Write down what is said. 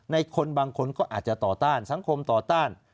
คนบางคนก็อาจจะต่อต้านสังคมต่อต้าน